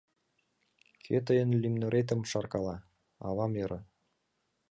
— Кӧ тыйын лӱмнеретым шаркала? — авам ӧрӧ.